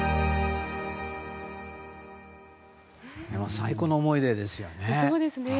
最高の思い出ですよね。